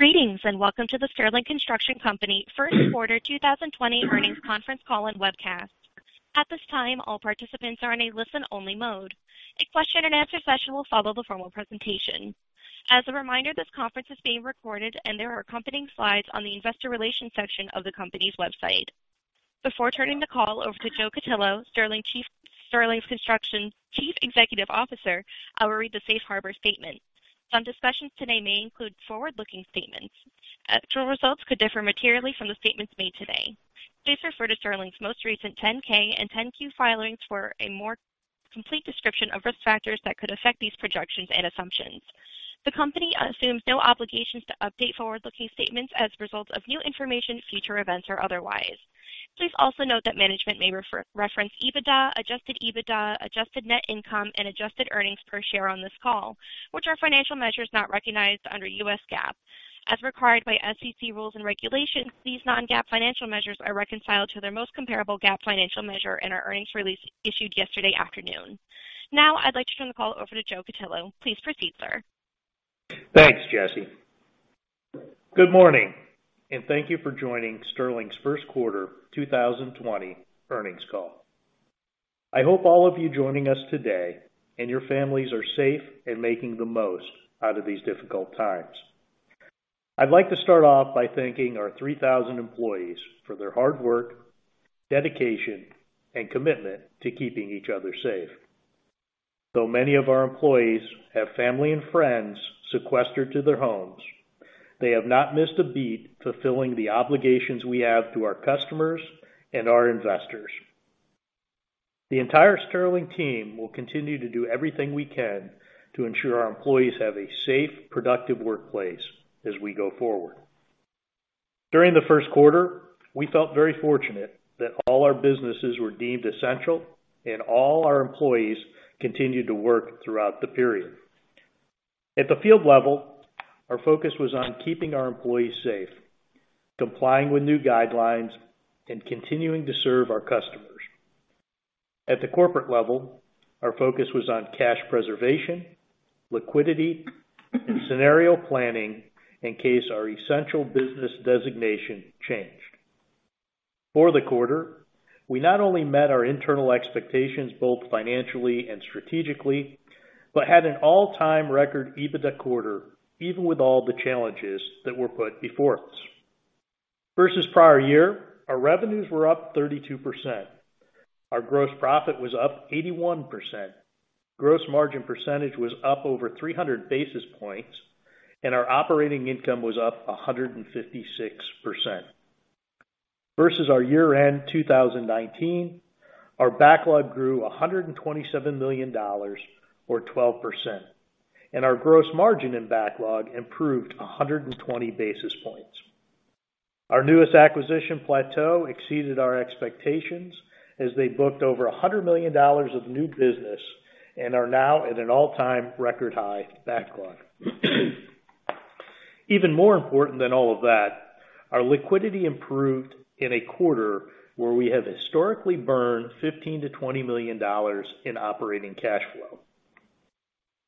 Greetings and welcome to the Sterling Construction Company First Quarter 2020 Earnings Conference Call and webcast. At this time, all participants are on a listen-only mode. A question-and-answer session will follow the formal presentation. As a reminder, this conference is being recorded, and there are accompanying slides on the investor relations section of the company's website. Before turning the call over to Joe Cutillo, Sterling Construction's Chief Executive Officer, I will read the Safe Harbor Statement. Some discussions today may include forward-looking statements. Actual results could differ materially from the statements made today. Please refer to Sterling's most recent 10-K and 10-Q filings for a more complete description of risk factors that could affect these projections and assumptions. The company assumes no obligations to update forward-looking statements as a result of new information, future events, or otherwise. Please also note that management may reference EBITDA, adjusted EBITDA, Adjusted Net Income, and adjusted Earnings Per Share on this call, which are financial measures not recognized under U.S. GAAP. As required by SEC rules and regulations, these non-GAAP financial measures are reconciled to their most comparable GAAP financial measure in our earnings release issued yesterday afternoon. Now, I'd like to turn the call over to Joe Cutillo. Please proceed, sir. Thanks, Jesse. Good morning, and thank you for joining Sterling's First Quarter 2020 Earnings Call. I hope all of you joining us today and your families are safe and making the most out of these difficult times. I'd like to start off by thanking our 3,000 employees for their hard work, dedication, and commitment to keeping each other safe. Though many of our employees have family and friends sequestered to their homes, they have not missed a beat fulfilling the obligations we have to our customers and our investors. The entire Sterling team will continue to do everything we can to ensure our employees have a safe, productive workplace as we go forward. During the 1st quarter, we felt very fortunate that all our businesses were deemed essential, and all our employees continued to work throughout the period. At the Field Level, our focus was on keeping our employees safe, complying with new guidelines, and continuing to serve our customers. At the Corporate Level, our focus was on cash preservation, liquidity, and scenario planning in case our essential business designation changed. For the quarter, we not only met our internal expectations both financially and strategically but had an all-time record EBITDA quarter, even with all the challenges that were put before us. Versus prior year, our revenues were up 32%, our gross profit was up 81%, gross margin percentage was up over 300 basis points, and our Operating Income was up 156%. Versus our year-end 2019, our backlog grew $127 million, or 12%, and our gross margin and backlog improved 120 basis points. Our newest acquisition Plateau exceeded our expectations as they booked over $100 million of new business and are now at an all-time record high backlog. Even more important than all of that, our liquidity improved in a quarter where we have historically burned $15-$20 million operating Cash Flow.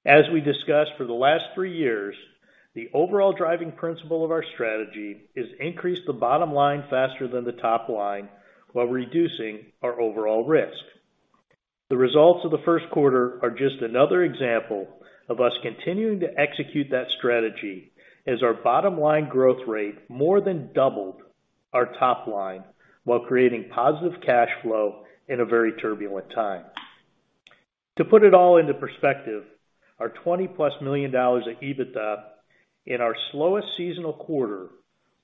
as we discussed for the last three years, the overall driving principle of our strategy is to increase the bottom line faster than the top line while reducing our overall risk. The results of the 1st quarter are just another example of us continuing to execute that strategy as our bottom line growth rate more than doubled our top line while positive Cash Flow in a very turbulent time. To put it all into perspective, our $20+ million of EBITDA in our slowest seasonal quarter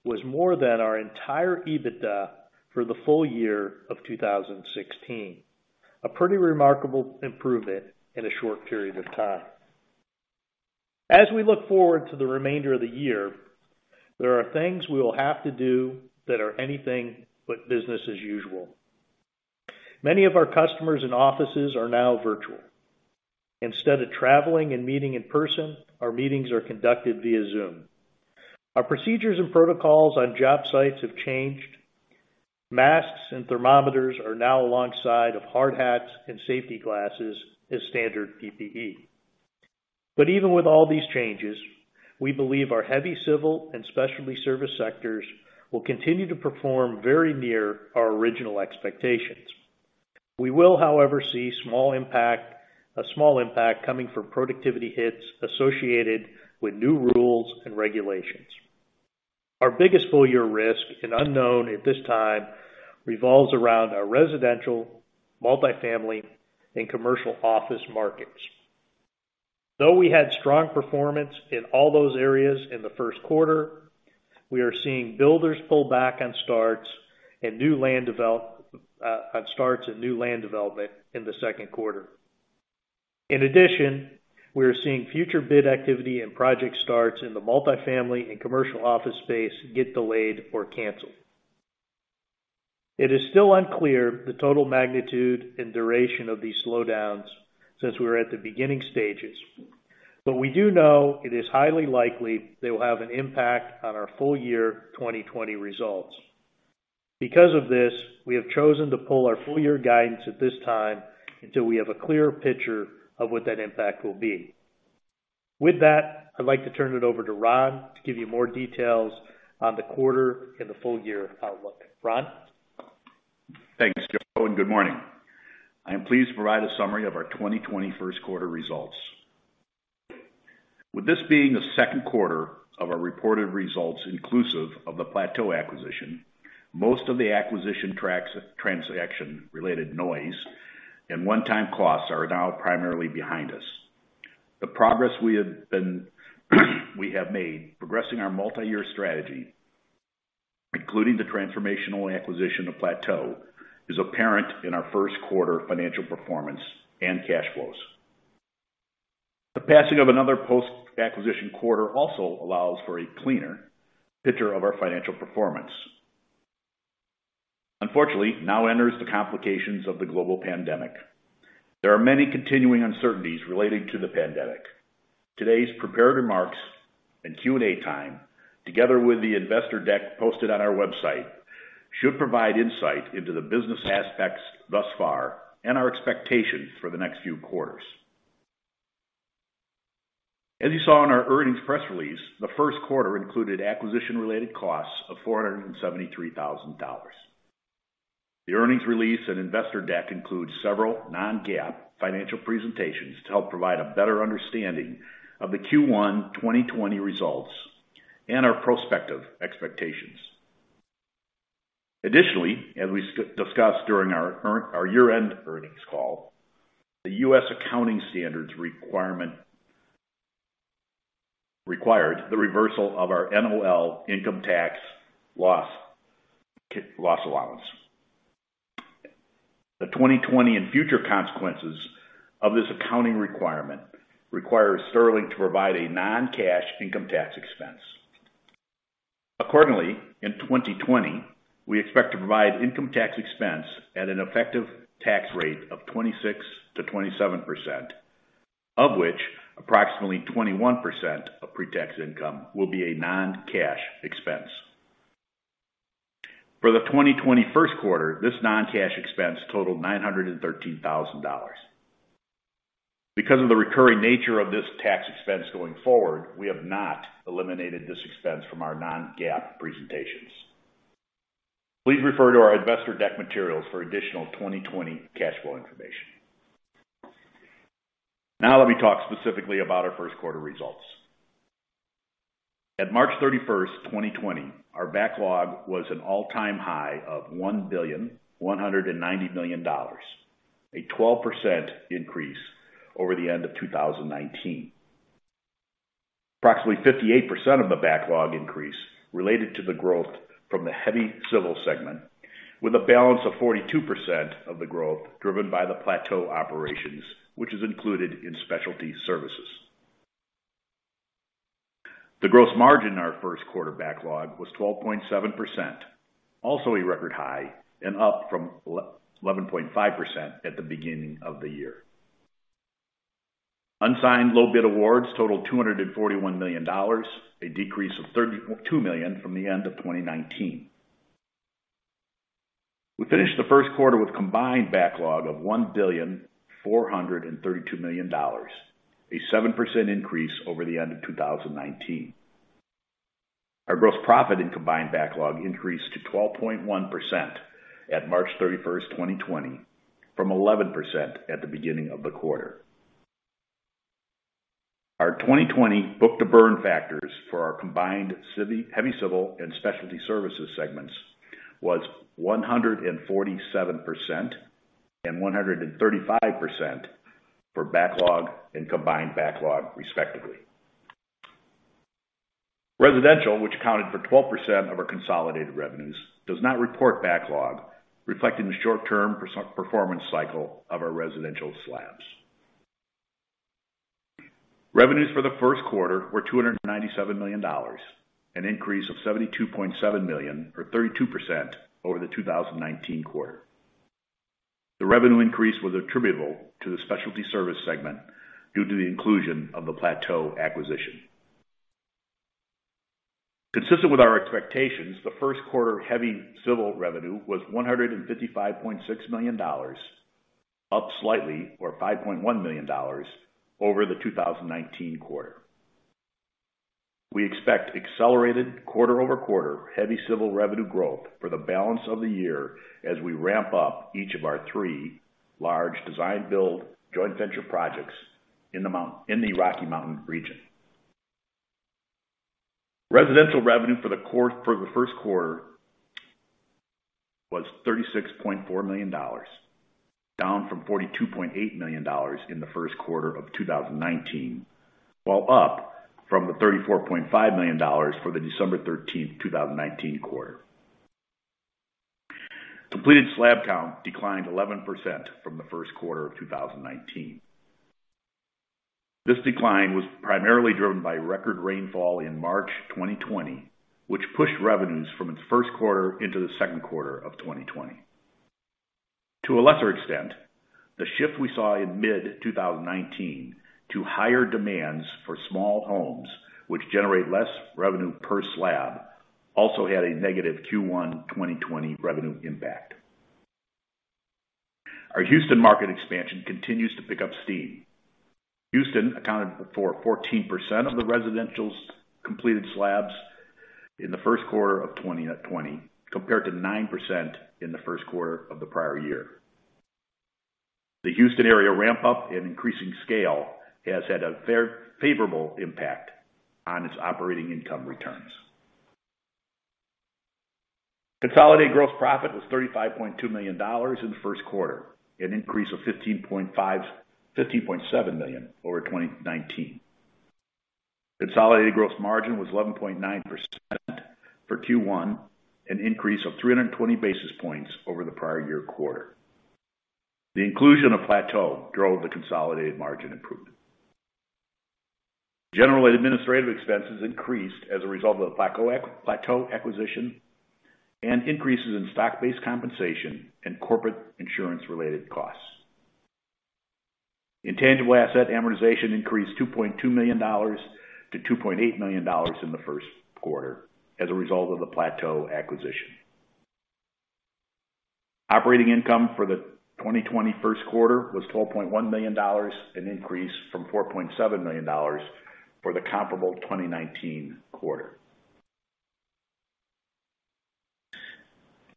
was more than our entire EBITDA for the full year of 2016, a pretty remarkable improvement in a short period of time. As we look forward to the remainder of the year, there are things we will have to do that are anything but business as usual. Many of our customers and offices are now virtual. Instead of traveling and meeting in person, our meetings are conducted via Zoom. Our procedures and protocols on job sites have changed. Masks and Thermometers are now alongside Hard Hats and Safety Glasses as Standard PPE. Even with all these changes, we believe our Heavy Civil and Specialty Service Sectors will continue to perform very near our original expectations. We will, however, see a small impact coming from productivity hits associated with new rules and regulations. Our biggest Full-year risk, and unknown at this time, revolves around our Residential, Multifamily, and Commercial Office Markets. Though we had strong performance in all those areas in the 1st quarter, we are seeing builders pull back on starts and new land development in the 2nd quarter. In addition, we are seeing future bid activity and project starts in the multifamily and commercial office space get delayed or canceled. It is still unclear the total magnitude and duration of these slowdowns since we were at the beginning stages, but we do know it is highly likely they will have an impact on our Full-year 2020 results. Because of this, we have chosen to pull our Full-year guidance at this time until we have a clearer picture of what that impact will be. With that, I'd like to turn it over to Ron to give you more details on the quarter and the Full-year outlook. Ron? Thanks, Joe, and good morning. I am pleased to provide a summary of our 2020 1st quarter results. With this being the 2nd quarter of our reported results inclusive of the Plateau acquisition, most of the acquisition transaction-related noise and one-time costs are now primarily behind us. The progress we have made progressing our multi-year strategy, including the transformational acquisition of Plateau, is apparent in our 1st quarter Financial Performance Cash Flows. the passing of another Post-acquisition quarter also allows for a cleaner picture of our Financial Performance. Unfortunately, now enters the complications of the Global Pandemic. There are many continuing uncertainties related to the Pandemic. Today's prepared remarks and Q&A time, together with the investor deck posted on our website, should provide insight into the business aspects thus far and our expectations for the next few quarters. As you saw in our Earnings Press Release, the 1st quarter included acquisition-related costs of $473,000. The Earnings Release and investor deck include several non-GAAP financial presentations to help provide a better understanding of the Q1 2020 results and our prospective expectations. Additionally, as we discussed during our year-end earnings call, the U.S. accounting standards required the reversal of our NOL Income Tax Loss Allowance. The 2020 and future consequences of this accounting requirement require Sterling to provide a Non-cash Income Tax Expense. Accordingly, in 2020, we expect to provide Income Tax Expense at an effective tax rate of 26-27%, of which approximately 21% of Pre-tax Income will be a Non-cash Expense. For the 2020 first quarter, this Non-cash Expense totaled $913,000. Because of the recurring nature of this tax expense going forward, we have not eliminated this expense from our non-GAAP presentations. Please refer to our investor deck materials for additional 2020 Cash Flow information. Now, let me talk specifically about our 1st quarter results. At March 31st, 2020, our backlog was an all-time high of $1,190 million, a 12% increase over the end of 2019. Approximately 58% of the backlog increase related to the growth from the heavy civil segment, with a balance of 42% of the growth driven by the Plateau Operations, which is included in specialty services. The gross margin in our 1st quarter backlog was 12.7%, also a record high, and up from 11.5% at the beginning of the year. Unsigned low-bid awards totaled $241 million, a decrease of $32 million from the end of 2019. We finished the 1st quarter with a combined backlog of $1,432 million, a 7% increase over the end of 2019. Our gross profit in combined backlog increased to 12.1% at March 31st, 2020, from 11% at the beginning of the quarter. Our 2020 book-to-burn factors for our combined heavy civil and specialty services segments were 147% and 135% for backlog and combined backlog, respectively. Residential, which accounted for 12% of our consolidated revenues, does not report backlog, reflecting the short-term performance cycle of our residential slabs. Revenues for the 1st quarter were $297 million, an increase of $72.7 million, or 32%, over the 2019 quarter. The revenue increase was attributable to the specialty services segment due to the inclusion of the Plateau acquisition. Consistent with our expectations, the 1st quarter heavy civil revenue was $155.6 million, up slightly, or $5.1 million, over the 2019 quarter. We expect accelerated quarter-over-quarter heavy civil revenue growth for the balance of the year as we ramp up each of our three large design-build joint venture projects in the Rocky Mountain region. Residential revenue for the 1st quarter was $36.4 million, down from $42.8 million in the 1st quarter of 2019, while up from the $34.5 million for the December 13th, 2019 quarter. Completed slab count declined 11% from the 1st quarter of 2019. This decline was primarily driven by record rainfall in March 2020, which pushed revenues from its 1st quarter into the 2nd quarter of 2020. To a lesser extent, the shift we saw in mid-2019 to higher demands for small homes, which generate less revenue per slab, also had a negative Q1 2020 revenue impact. Our Houston market expansion continues to pick up steam. Houston accounted for 14% of the residentials completed slabs in the 1st quarter of 2020, compared to 9% in the 1st quarter of the prior year. The Houston area ramp-up and increasing scale has had a favorable impact on its Operating Income returns. Consolidated gross profit was $35.2 million in the 1st quarter, an increase of $15.7 million over 2019. Consolidated gross margin was 11.9% for Q1, an increase of 320 basis points over the prior year quarter. The inclusion of Plateau drove the consolidated margin improvement. General administrative expenses increased as a result of the Plateau acquisition and increases in Stock-based Compensation and Corporate Insurance-related costs. Intangible Asset Amortization increased $2.2 million to $2.8 million in the 1st quarter as a result of the Plateau acquisition. Operating Income for the 2020 1st quarter was $12.1 million, an increase from $4.7 million for the comparable 2019 quarter.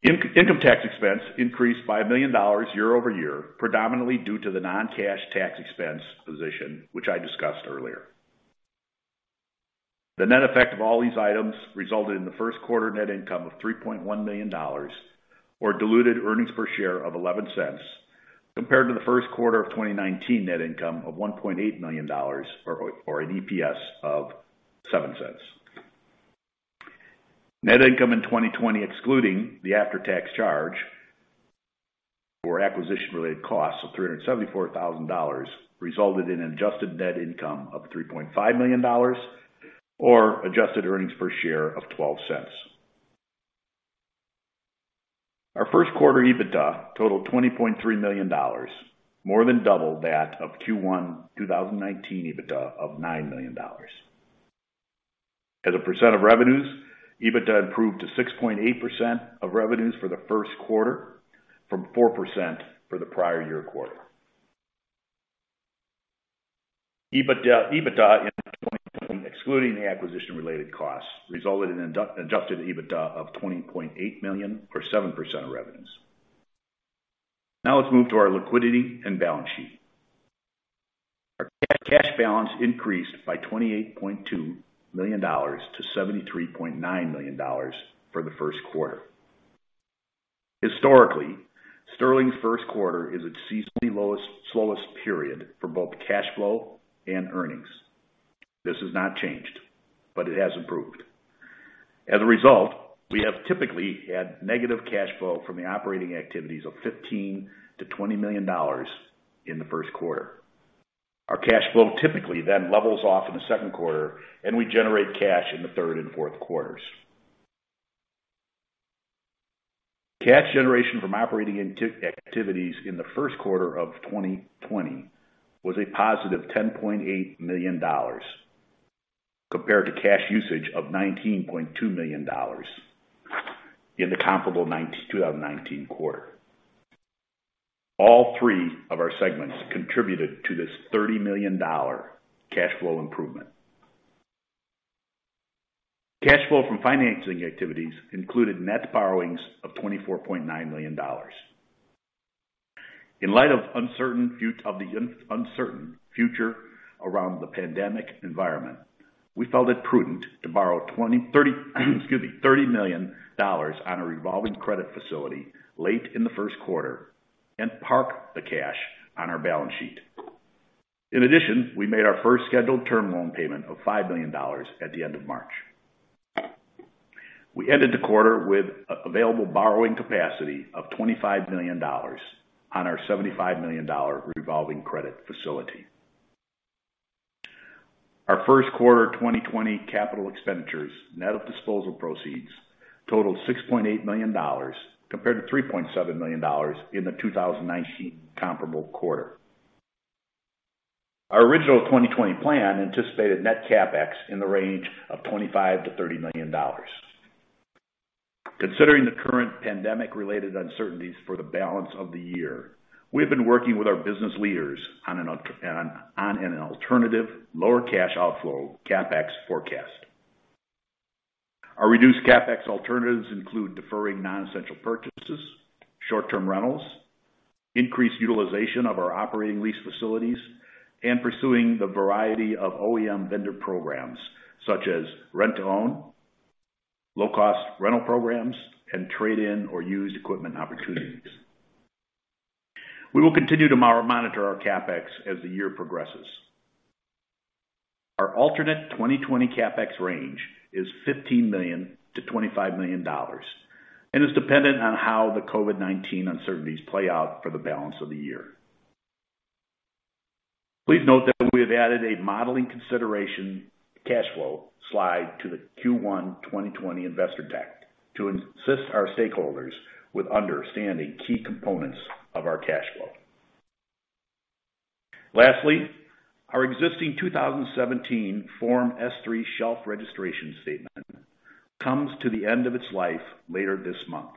Income Tax Expense increased by $1 million year-over-year, predominantly due to the Non-cash tax expense position, which I discussed earlier. The net effect of all these items resulted in the first quarter net income of $3.1 million, or diluted Earnings Per Share of $0.11, compared to the 1st quarter of 2019 net income of $1.8 million, or an EPS of $0.07. Net income in 2020, excluding the After-tax charge or acquisition-related costs of $374,000, resulted in an Adjusted Net Income of $3.5 million, or adjusted Earnings Per Share of $0.12. Our first quarter EBITDA totaled $20.3 million, more than double that of Q1 2019 EBITDA of $9 million. As a percent of revenues, EBITDA improved to 6.8% of revenues for the 1st quarter from 4% for the prior year quarter. EBITDA in 2020, excluding the acquisition-related costs, resulted in an adjusted EBITDA of $20.8 million, or 7% of revenues. Now, let's move to our liquidity and Balance Sheet. Our Cash Balance increased by $28.2 million to $73.9 million for the 1st quarter. Historically, Sterling's 1st quarter is its seasonally slowest period for both Cash Flow and earnings. This has not changed, but it has improved. As a result, we have typically had Negative Cash Flow from the operating activities of $15-$20 million in the 1st quarter. Our Cash Flow typically then levels off in the 2nd quarter, and we generate cash in the 3rd and 4th quarters. Cash generation from operating activities in the 1st quarter of 2020 was a positive $10.8 million, compared to cash usage of $19.2 million in the comparable 2019 quarter. All three of our segments contributed to this $30 million Cash Flow improvement. Cash Flow from financing activities included net borrowings of $24.9 million. In light of the uncertain future around the Pandemic environment, we felt it prudent to borrow $30 million on a Revolving Credit Facility late in the 1st quarter and park the cash on our Balance Sheet. In addition, we made our 1st scheduled term loan payment of $5 million at the end of March. We ended the quarter with available borrowing capacity of $25 million on our $75 million Revolving Credit Facility. Our first quarter 2020 capital expenditures, net of disposal proceeds, totaled $6.8 million, compared to $3.7 million in the 2019 comparable quarter. Our original 2020 plan anticipated net CapEx in the range of $25-$30 million. Considering the current Pandemic-related uncertainties for the balance of the year, we have been working with our business leaders on an alternative, lower cash outflow CapEx forecast. Our reduced CapEx alternatives include deferring non-essential purchases, short-term rentals, increased utilization of our Operating Lease Facilities, and pursuing the variety of OEM vendor programs, such as rent-to-own, low-cost rental programs, and trade-in or used equipment opportunities. We will continue to monitor our CapEx as the year progresses. Our alternate 2020 CapEx range is $15 million-$25 million and is dependent on how the COVID-19 uncertainties play out for the balance of the year. Please note that we have added a modeling consideration Cash Flow slide to the Q1 2020 investor deck to assist our stakeholders with understanding key components of our Cash Flow. Lastly, our existing 2017 Form S-3 Shelf Registration Statement comes to the end of its life later this month.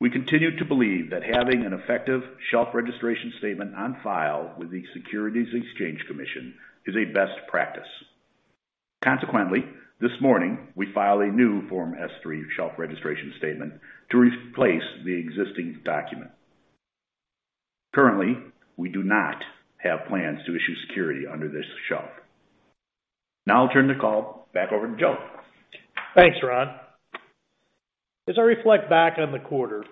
We continue to believe that having an effective Shelf Registration Statement on file with the U.S. Securities and Exchange Commission is a best practice. Consequently, this morning, we filed a new Form S-3 Shelf Registration Statement to replace the existing document. Currently, we do not have plans to issue security under this shelf. Now, I'll turn the call back over to Joe. Thanks, Ron. As I reflect back on the quarter,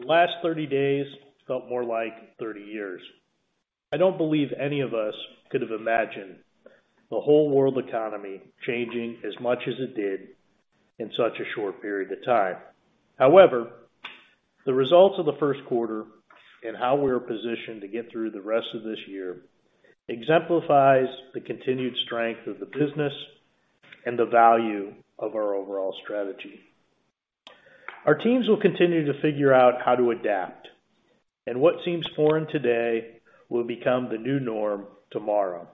the last 30 days felt more like 30 years. I don't believe any of us could have imagined the whole world economy changing as much as it did in such a short period of time. However, the results of the 1st quarter and how we are positioned to get through the rest of this year exemplify the continued strength of the business and the value of our overall strategy. Our teams will continue to figure out how to adapt, and what seems foreign today will become the new norm tomorrow.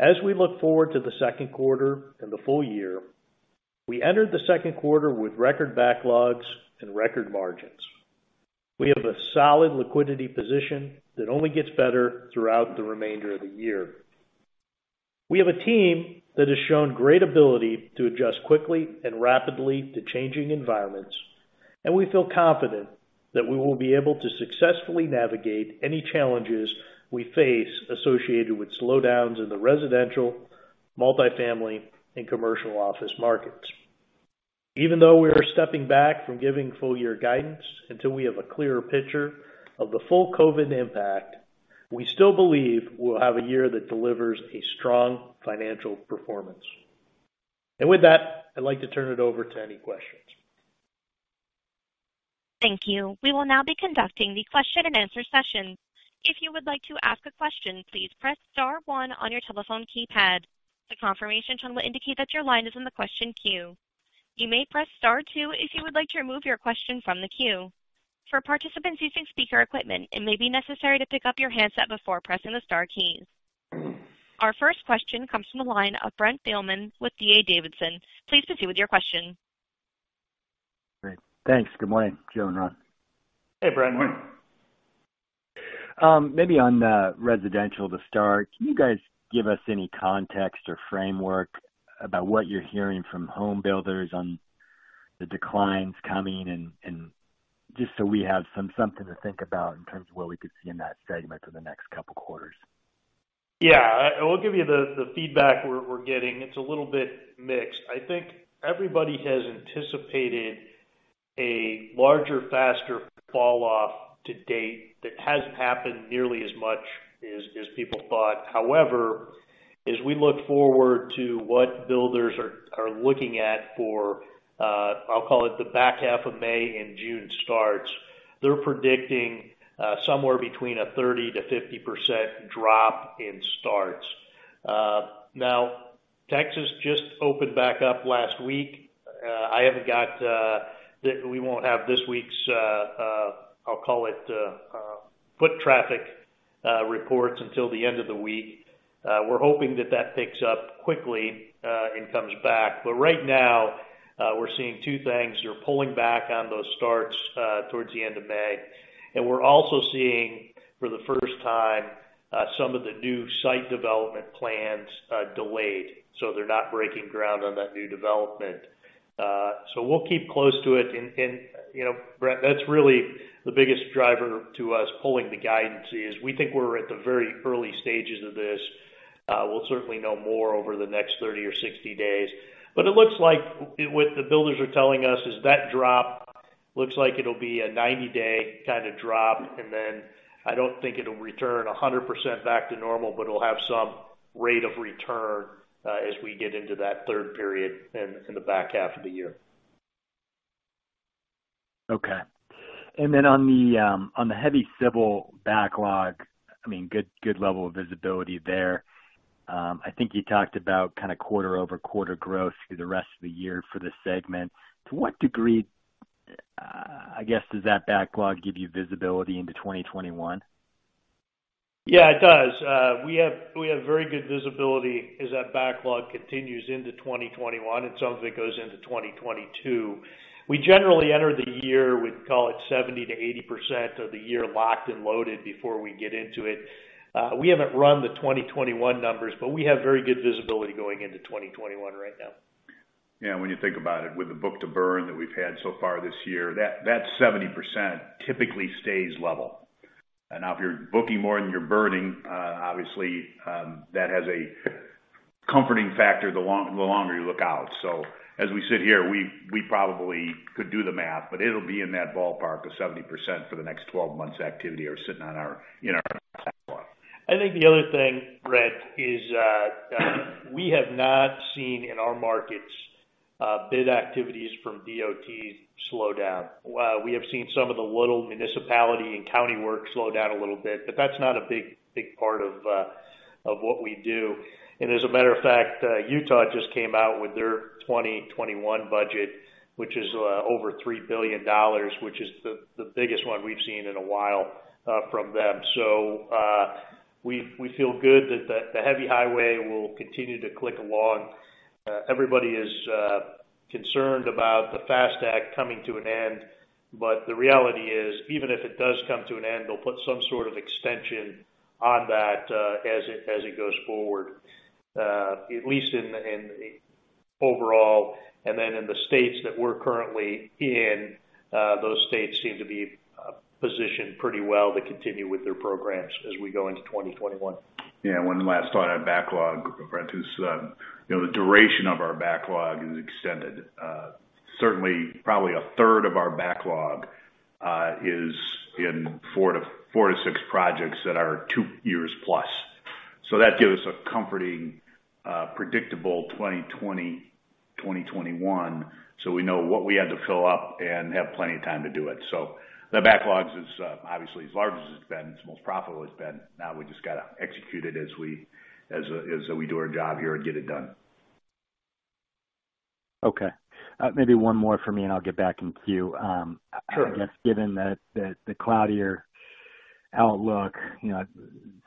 As we look forward to the 2nd quarter and the full year, we entered the 2nd quarter with record backlogs and record margins. We have a solid liquidity position that only gets better throughout the remainder of the year. We have a team that has shown great ability to adjust quickly and rapidly to changing environments, and we feel confident that we will be able to successfully navigate any challenges we face associated with slowdowns in the residential, multifamily, and commercial office markets. Even though we are stepping back from giving Full-year guidance until we have a clearer picture of the full COVID impact, we still believe we will have a year that delivers a strong Financial Performance. With that, I'd like to turn it over to any questions. Thank you. We will now be conducting the question-and-answer session. If you would like to ask a question, please press Star one on your telephone keypad. The confirmation channel will indicate that your line is in the question queue. You may press Star two if you would like to remove your question from the queue. For participants using speaker equipment, it may be necessary to pick up your handset before pressing the Star keys. Our 1st question comes from the line of Brent Thielman with D.A. Davidson. Please proceed with your question. Great. Thanks. Good morning, Joe and Ron. Hey, Brent. Morning. Maybe on residential to start, can you guys give us any context or framework about what you're hearing from homebuilders on the declines coming and just so we have something to think about in terms of what we could see in that segment for the next couple of quarters? Yeah. I will give you the feedback we're getting. It's a little bit mixed. I think everybody has anticipated a larger, faster falloff to date that hasn't happened nearly as much as people thought. However, as we look forward to what builders are looking at for, I'll call it the back half of May and June starts, they're predicting somewhere between a 30-50% drop in starts. Now, Texas just opened back up last week. I haven't got that we won't have this week's, I'll call it, foot traffic reports until the end of the week. We're hoping that that picks up quickly and comes back. Right now, we're seeing two things. They're pulling back on those starts towards the end of May. We're also seeing, for the first time, some of the new site development plans delayed. They're not breaking ground on that new development. We'll keep close to it. Brent, that's really the biggest driver to us pulling the guidance is we think we're at the very early stages of this. We'll certainly know more over the next 30 or 60 days. It looks like what the builders are telling us is that drop looks like it'll be a 90-day kind of drop. I don't think it'll return 100% back to normal, but it'll have some rate of return as we get into that 3rd period in the back half of the year. Okay. On the heavy civil backlog, I mean, good level of visibility there. I think you talked about kind of quarter-over-quarter growth through the rest of the year for the segment. To what degree, I guess, does that backlog give you visibility into 2021? Yeah, it does. We have very good visibility as that backlog continues into 2021 and some of it goes into 2022. We generally enter the year with, call it, 70-80% of the year locked and loaded before we get into it. We have not run the 2021 numbers, but we have very good visibility going into 2021 right now. Yeah. When you think about it, with the Book-to-burn that we have had so far this year, that 70% typically stays level. If you are booking more than you are burning, obviously, that has a comforting factor the longer you look out. As we sit here, we probably could do the math, but it will be in that ballpark of 70% for the next 12 months' activity or sitting in our backlog. I think the other thing, Brent, is we have not seen in our markets bid activities from DOT slow down. We have seen some of the little municipality and county work slow down a little bit, but that's not a big part of what we do. As a matter of fact, Utah just came out with their 2021 budget, which is over $3 billion, which is the biggest one we've seen in a while from them. We feel good that the heavy highway will continue to click along. Everybody is concerned about the FAST Act coming to an end, but the reality is, even if it does come to an end, they'll put some sort of extension on that as it goes forward, at least overall. In the states that we're currently in, those states seem to be positioned pretty well to continue with their programs as we go into 2021. Yeah. One last thought on backlog, Brent, is the duration of our backlog is extended. Certainly, probably a third of our backlog is in four to six projects that are two years plus. That gives us a comforting, predictable 2020, 2021, so we know what we had to fill up and have plenty of time to do it. The backlog is obviously as large as it's been, it's most profitable it's been. Now, we just got to execute it as we do our job here and get it done. Okay. Maybe one more for me, and I'll get back in queue. Sure. I guess, given the cloudier outlook,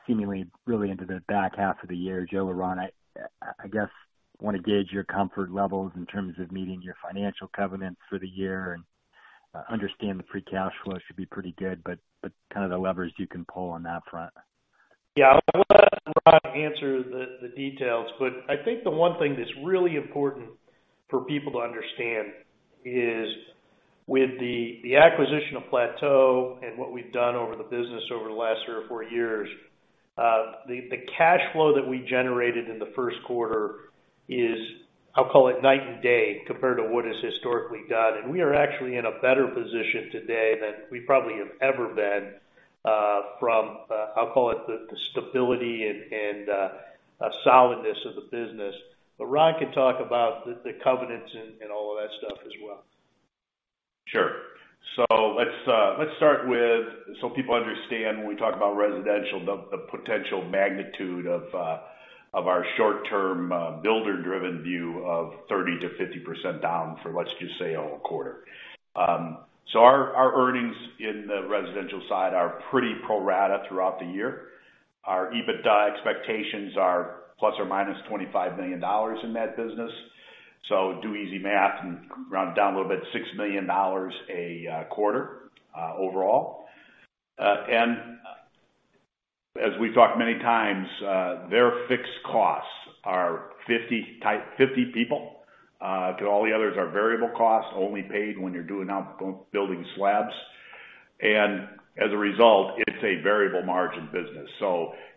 seemingly really into the back half of the year, Joe or Ron, I guess, want to gauge your comfort levels in terms of meeting your financial covenants for the year and understand the Free Cash Flow should be pretty good, but kind of the levers you can pull on that front. Yeah. I'll let Ron answer the details. I think the one thing that's really important for people to understand is, with the acquisition of Plateau and what we've done over the business over the last three or four years, the Cash Flow that we generated in the 1st quarter is, I'll call it, night and day compared to what it's historically done. We are actually in a better position today than we probably have ever been from, I'll call it, the stability and solidness of the business. Ron can talk about the covenants and all of that stuff as well. Sure. Let's start with so people understand when we talk about residential, the potential magnitude of our short-term builder-driven view of 30%-50% down for, let's just say, a whole quarter. Our earnings in the residential side are pretty pro-rata throughout the year. Our EBITDA expectations are ±$25 million in that business. Do easy math and round it down a little bit, $6 million a quarter overall. As we've talked many times, their fixed costs are 50 people. All the others are variable costs, only paid when you're building slabs. As a result, it's a variable margin business.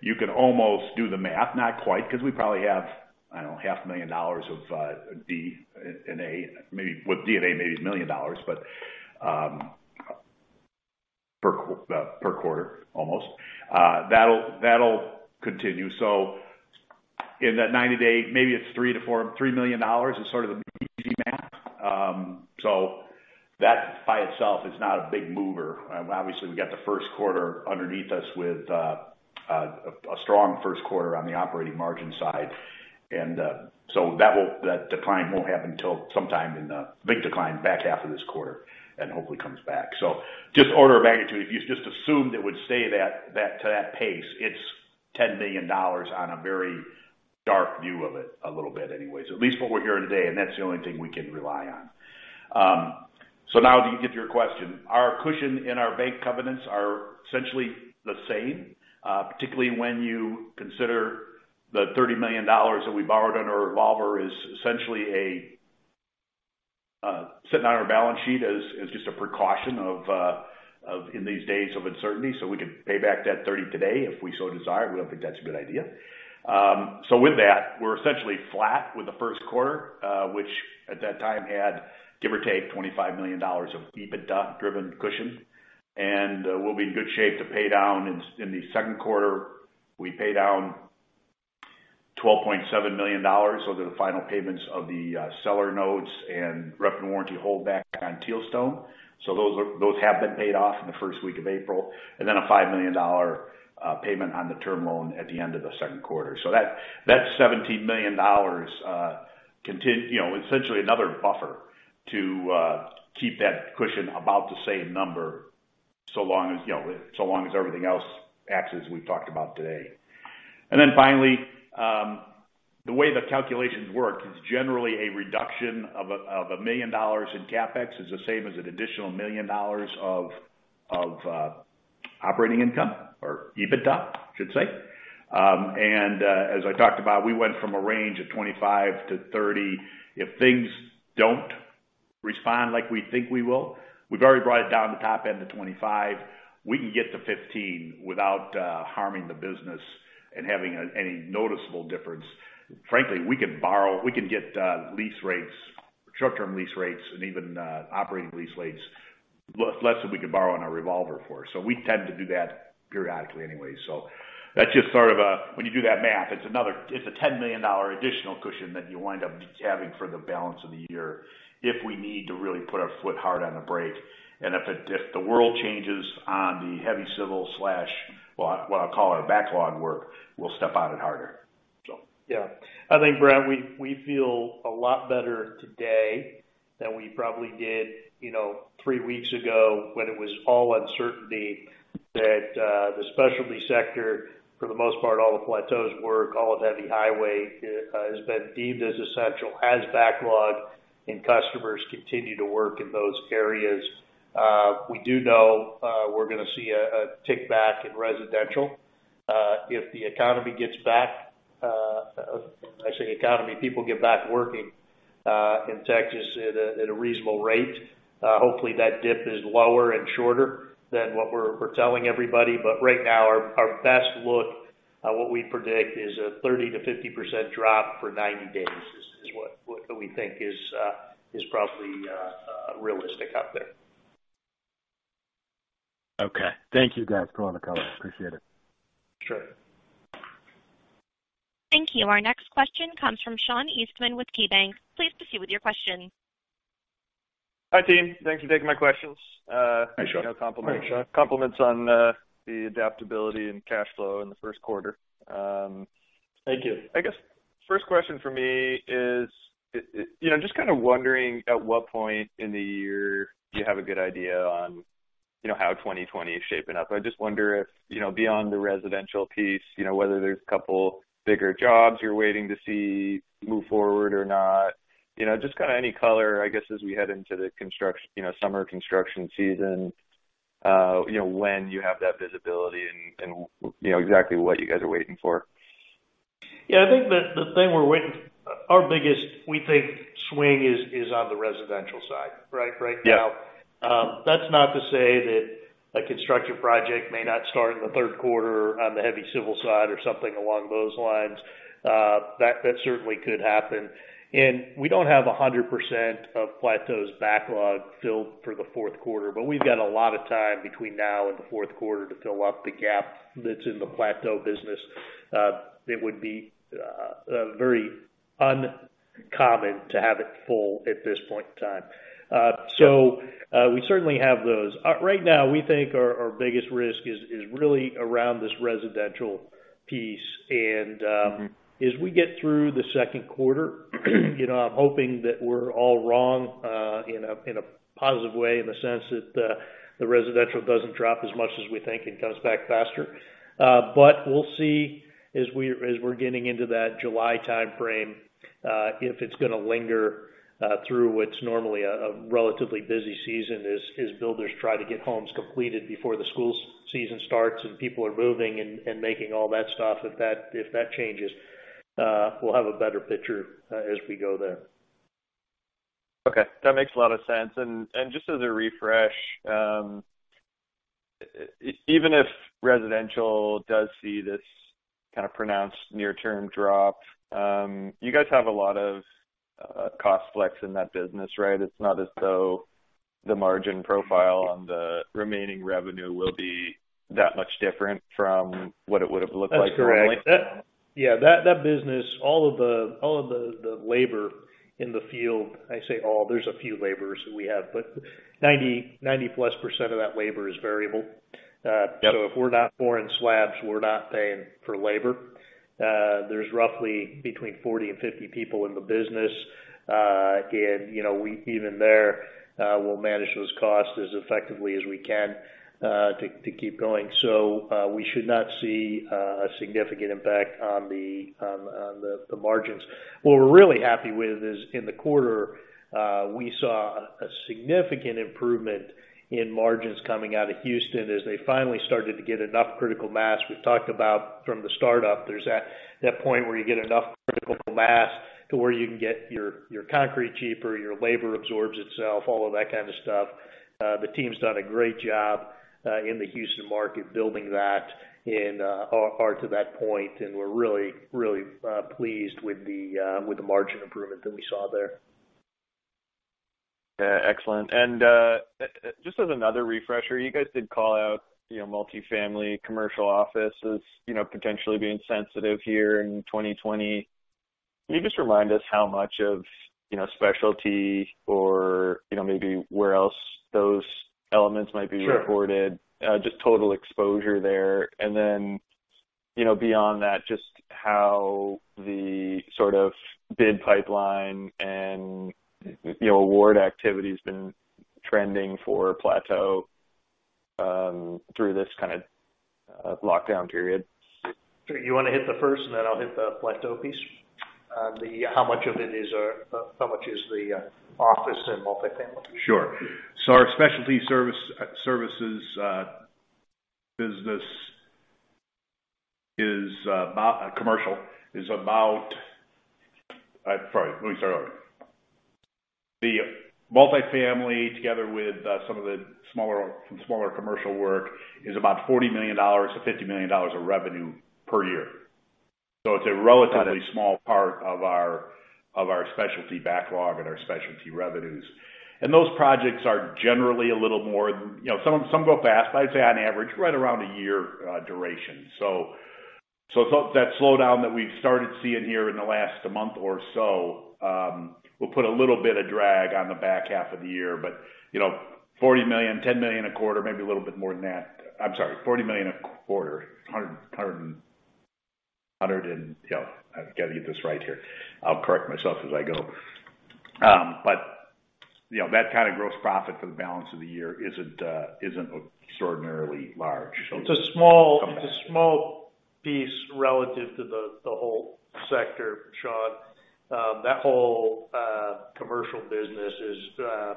You can almost do the math, not quite, because we probably have, I don't know, $500,000 of D&A, maybe with D&A, maybe $1 million, but per quarter, almost. That'll continue. In that 90-day, maybe it's 3 to 4, $3 million is sort of the easy math. That by itself is not a big mover. Obviously, we got the 1st quarter underneath us with a strong 1st quarter on the Operating Margin side. That decline won't happen until sometime in the big decline back half of this quarter and hopefully comes back. Just order of magnitude, if you just assumed it would stay to that pace, it's $10 million on a very dark view of it a little bit anyways, at least what we're hearing today. That's the only thing we can rely on. Now, to get to your question, our cushion and our bank covenants are essentially the same, particularly when you consider the $30 million that we borrowed under our revolver is essentially sitting on our Balance Sheet as just a precaution in these days of uncertainty. We could pay back that $30 million today if we so desire. We do not think that is a good idea. With that, we are essentially flat with the 1st quarter, which at that time had, give or take, $25 million of EBITDA-driven cushion. We will be in good shape to pay down in the 2nd quarter. We paid down $12.7 million over the final payments of the seller notes and rep and warranty holdback on Tealstone. Those have been paid off in the 1st week of April. Then a $5 million payment on the term loan at the end of the 2nd quarter. That $17 million is essentially another buffer to keep that cushion about the same number so long as everything else acts as we've talked about today. Finally, the way the calculations work is generally a reduction of $1 million in CapEx is the same as an additional $1 million of Operating Income or EBITDA, I should say. As I talked about, we went from a range of $25 million-$30 million. If things do not respond like we think we will, we've already brought it down to the top end of $25 million. We can get to $15 million without harming the business and having any noticeable difference. Frankly, we can borrow, we can get Lease Rates, short-term lease rates, and even Operating Lease Rates less than we could borrow on our revolver for. We tend to do that periodically anyway. That's just sort of when you do that math, it's a $10 million additional cushion that you wind up having for the balance of the year if we need to really put our foot hard on the brake. If the world changes on the heavy civil, what I'll call our backlog work, we'll step on it harder. Yeah. I think, Brent, we feel a lot better today than we probably did three weeks ago when it was all uncertainty that the specialty sector, for the most part, all of Plateau's work, all of Heavy Highway has been deemed as essential, has backlog, and customers continue to work in those areas. We do know we're going to see a tick back in residential if the economy gets back. When I say economy, people get back working in Texas at a reasonable rate. Hopefully, that dip is lower and shorter than what we are telling everybody. Right now, our best look at what we predict is a 30-50% drop for 90 days is what we think is probably realistic out there. Okay. Thank you, guys, for all the comments. Appreciate it. Sure. Thank you. Our next question comes from Sean Eastman with KeyBanc. Please proceed with your question. Hi, team. Thanks for taking my questions. Thanks, Sean. No compliments. Thanks, Sean. Compliments on the adaptability and Cash Flow in the 1st quarter. Thank you. I guess 1st question for me is just kind of wondering at what point in the year you have a good idea on how 2020 is shaping up. I just wonder if beyond the residential piece, whether there's a couple bigger jobs you're waiting to see move forward or not, just kind of any color, I guess, as we head into the summer construction season, when you have that visibility and exactly what you guys are waiting for. Yeah. I think the thing we're waiting for, our biggest, we think, swing is on the residential side, right? Right now. That's not to say that a construction project may not start in the 3rd quarter on the heavy civil side or something along those lines. That certainly could happen. We don't have 100% of Plateau's backlog filled for the 4th quarter, but we've got a lot of time between now and the 4th quarter to fill up the gap that's in the Plateau business. It would be very uncommon to have it full at this point in time. We certainly have those. Right now, we think our biggest risk is really around this residential piece. As we get through the 2nd quarter, I'm hoping that we're all wrong in a positive way in the sense that the residential doesn't drop as much as we think and comes back faster. We'll see as we're getting into that July timeframe if it's going to linger through what's normally a relatively busy season as builders try to get homes completed before the school season starts and people are moving and making all that stuff. If that changes, we'll have a better picture as we go there. Okay. That makes a lot of sense. Just as a refresh, even if residential does see this kind of pronounced near-term drop, you guys have a lot of cost flex in that business, right? It's not as though the margin profile on the remaining revenue will be that much different from what it would have looked like early. Correct. Yeah. That business, all of the labor in the field, I say all, there's a few laborers that we have, but 90%+ of that labor is variable. If we're not boring slabs, we're not paying for labor. There's roughly between 40-50 people in the business. Even there, we'll manage those costs as effectively as we can to keep going. We should not see a significant impact on the margins. What we're really happy with is in the quarter, we saw a significant improvement in margins coming out of Houston as they finally started to get enough critical mass. We've talked about from the startup, there's that point where you get enough critical mass to where you can get your concrete cheaper, your labor absorbs itself, all of that kind of stuff. The team's done a great job in the Houston market building that and are to that point. We're really, really pleased with the margin improvement that we saw there. Excellent. Just as another refresher, you guys did call out Multifamily Commercial Offices potentially being sensitive here in 2020. Can you just remind us how much of specialty or maybe where else those elements might be reported? Just total exposure there. Beyond that, just how the sort of bid pipeline and award activity has been trending for Plateau through this kind of lockdown period. You want to hit the first, and then I'll hit the Plateau piece? How much of it is, how much is the office and multifamily? Sure. Our specialty services business is commercial is about—sorry, let me start over. The multifamily, together with some of the smaller commercial work, is about $40 million-$50 million of revenue per year. It is a relatively small part of our Specialty Backlog and our Specialty Revenues. Those projects are generally a little more—some go fast, but I would say on average, right around a year duration. That slowdown that we have started seeing here in the last month or so will put a little bit of drag on the back half of the year. $40 million, $10 million a quarter, maybe a little bit more than that. I am sorry, $40 million a quarter. 100 and—yeah, I have got to get this right here. I will correct myself as I go. That kind of gross profit for the balance of the year is not extraordinarily large. It is a small piece relative to the whole sector, Sean. That whole commercial business that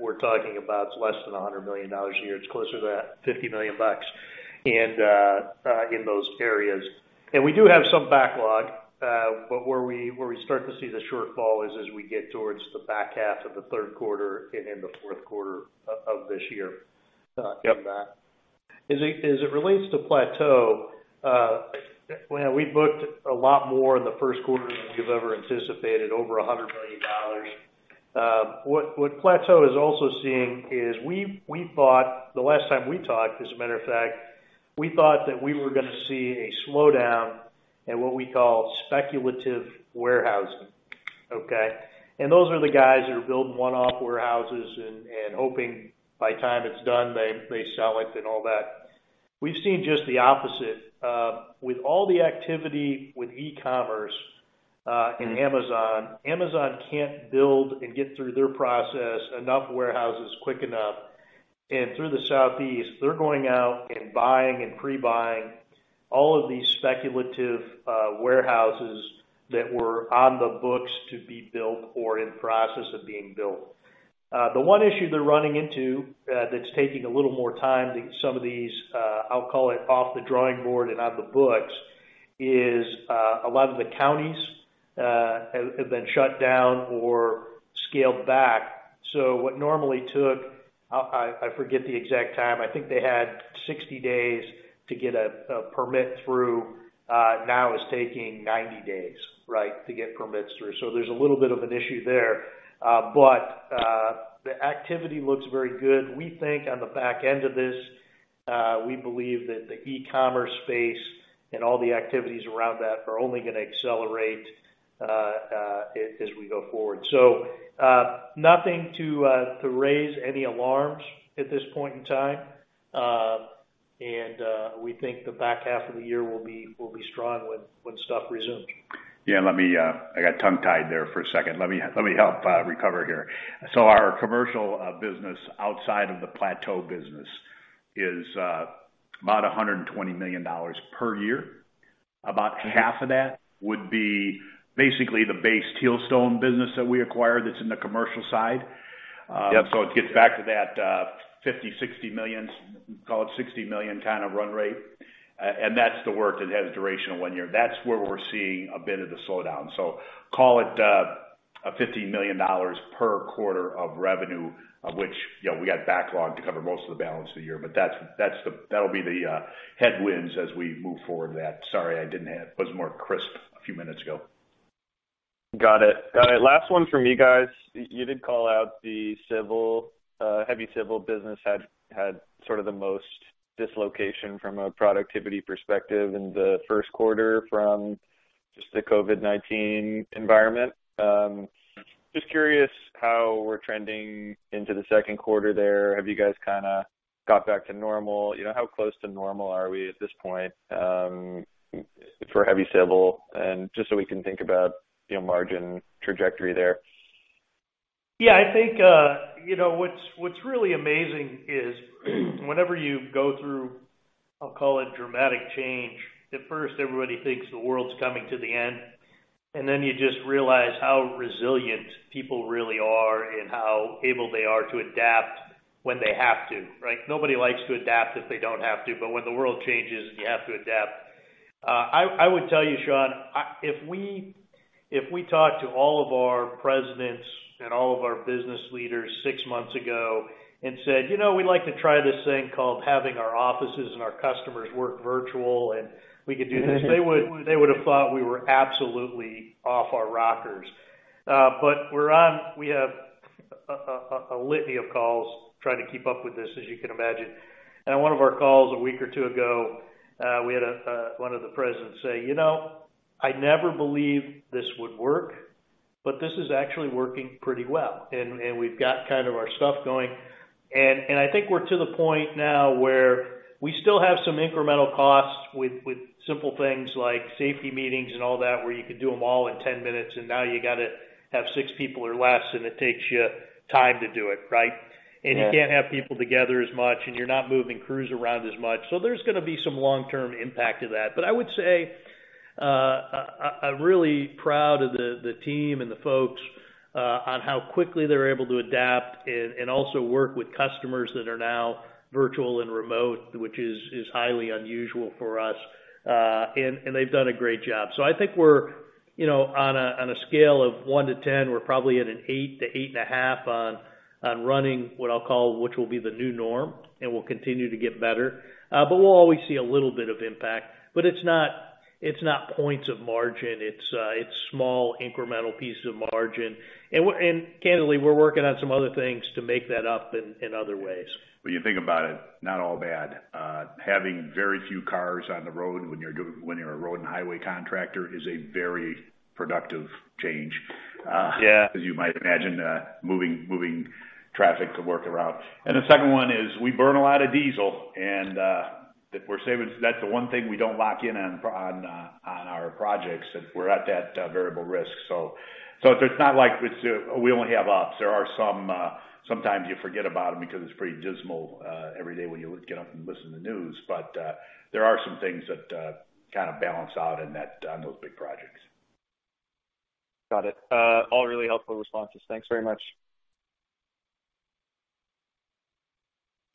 we are talking about is less than $100 million a year. It is closer to that $50 million in those areas. We do have some backlog. Where we start to see the shortfall is as we get towards the back half of the 3rd quarter and in the 4th quarter of this year from that. As it relates to Plateau, we booked a lot more in the 1st quarter than we ever anticipated, over $100 million. What Plateau is also seeing is we thought the last time we talked, as a matter of fact, we thought that we were going to see a slowdown in what we call Speculative Warehousing, okay? Those are the guys that are building one-off warehouses and hoping by the time it's done, they sell it and all that. We've seen just the opposite. With all the activity with E-commerce and Amazon, Amazon can't build and get through their process enough warehouses quick enough. Through the Southeast, they're going out and buying and pre-buying all of these speculative warehouses that were on the books to be built or in process of being built. The one issue they're running into that's taking a little more time than some of these, I'll call it off the drawing board and on the books, is a lot of the counties have been shut down or scaled back. What normally took—I forget the exact time—I think they had 60 days to get a permit through, now is taking 90 days, right, to get permits through. There is a little bit of an issue there. The activity looks very good. We think on the back end of this, we believe that the E-commerce space and all the activities around that are only going to accelerate as we go forward. Nothing to raise any alarms at this point in time. We think the back half of the year will be strong when stuff resumes. Yeah. I got tongue-tied there for a second. Let me help recover here. Our commercial business outside of the Plateau business is about $120 million per year. About half of that would be basically the base Tealstone business that we acquired that is in the commercial side. It gets back to that 50-60 million, call it $60 million kind of Run Rate. That is the work that has duration of one year. That's where we're seeing a bit of the slowdown. Call it $15 million per quarter of revenue, of which we got backlog to cover most of the balance of the year. That'll be the headwinds as we move forward to that. Sorry, I was more crisp a few minutes ago. Got it. Got it. Last one from you guys. You did call out the heavy civil business had sort of the most dislocation from a productivity perspective in the 1st quarter from just the COVID-19 environment. Just curious how we're trending into the 2nd quarter there. Have you guys kind of got back to normal? How close to normal are we at this point for heavy civil? Just so we can think about margin trajectory there. Yeah. I think what's really amazing is whenever you go through, I'll call it dramatic change, at first, everybody thinks the world's coming to the end. You just realize how resilient people really are and how able they are to adapt when they have to, right? Nobody likes to adapt if they don't have to. When the world changes and you have to adapt, I would tell you, Sean, if we talked to all of our presidents and all of our business leaders six months ago and said, "We'd like to try this thing called having our offices and our customers work virtual, and we could do this," they would have thought we were absolutely off our rockers. We have a litany of calls trying to keep up with this, as you can imagine. On one of our calls a week or two ago, we had one of the presidents say, "I never believed this would work, but this is actually working pretty well. And we've got kind of our stuff going." I think we're to the point now where we still have some incremental costs with simple things like safety meetings and all that where you could do them all in 10 minutes, and now you got to have six people or less, and it takes you time to do it, right? You can't have people together as much, and you're not moving crews around as much. There is going to be some long-term impact to that. I would say I'm really proud of the team and the folks on how quickly they're able to adapt and also work with customers that are now virtual and remote, which is highly unusual for us. They've done a great job. I think we're on a scale of 1-10, we're probably at an 8-8.5 on running what I'll call what will be the new norm, and we'll continue to get better. We'll always see a little bit of impact. It's not points of margin. It's small incremental pieces of margin. Candidly, we're working on some other things to make that up in other ways. When you think about it, not all bad. Having very few cars on the road when you're a road and highway contractor is a very productive change, as you might imagine, moving traffic to work around. The second one is we burn a lot of diesel. That's the one thing we don't lock in on our projects if we're at that variable risk. It's not like we only have ups. There are sometimes you forget about them because it's pretty dismal every day when you get up and listen to the news. There are some things that kind of balance out on those big projects. Got it. All really helpful responses. Thanks very much.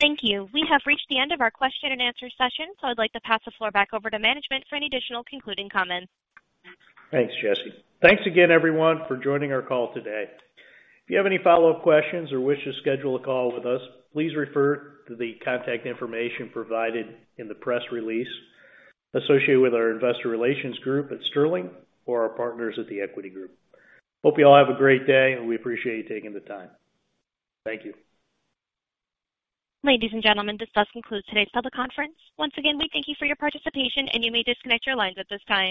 Thank you. We have reached the end of our question and answer session. I'd like to pass the floor back over to management for any additional concluding comments. Thanks, Jesse. Thanks again, everyone, for joining our call today. If you have any follow-up questions or wish to schedule a call with us, please refer to the contact information provided in the press release associated with our investor relations group at Sterling or our partners at the Equity Group. Hope you all have a great day, and we appreciate you taking the time. Thank you. Ladies and gentlemen, this does conclude today's public conference. Once again, we thank you for your participation, and you may disconnect your lines at this time.